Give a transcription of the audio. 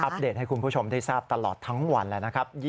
อัปเดตให้คุณผู้ชมที่ทราบตลอดทั้งวันแล้ว